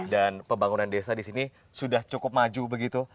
dan pembangunan desa di sini sudah cukup maju begitu